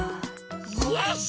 よし！